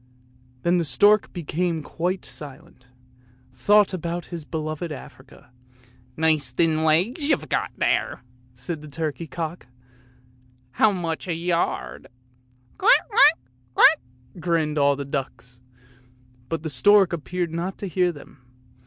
Then the stork became quite silent, and thought about his beloved Africa. " Nice thin legs you've got! " said the turkey cock; " how much a yard? "" Quack, quack, quack! " grinned all the ducks, but the stork appeared not to hear them.